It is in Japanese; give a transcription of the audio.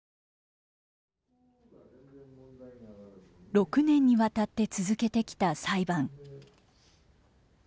６年にわたって続けてきた裁判。